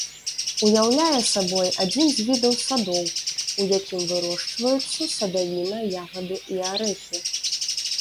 Уяўляе сабой адзін з відаў садоў, у якім вырошчваюцца садавіна, ягады і арэхі.